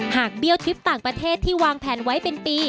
เบี้ยวทริปต่างประเทศที่วางแผนไว้เป็นปี